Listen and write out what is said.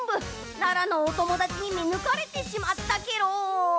奈良のおともだちにみぬかれてしまったケロ。